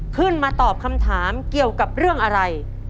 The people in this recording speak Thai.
ขึ้นมาตอบคำถามเกี่ยวกับเรื่องอะไร